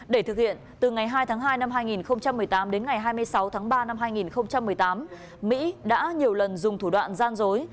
để thực hiện từ ngày hai tháng hai năm hai nghìn một mươi tám đến ngày hai mươi sáu tháng ba năm hai nghìn một mươi tám mỹ đã nhiều lần dùng thủ đoạn gian dối